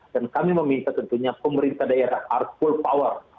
dan kami meminta tentunya pemerintah daerah harus full power